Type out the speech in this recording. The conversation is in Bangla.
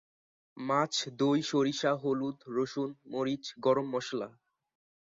মাছ, দই, সরিষা, হলুদ, রসুন, মরিচ, গরম মশলা